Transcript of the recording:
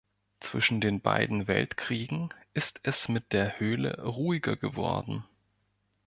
Zwischen den beiden Weltkriegen ist es mit der Höhle ruhiger geworden.